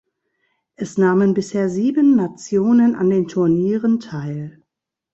Es nahmen bisher sieben Nationen an den Turnieren teil.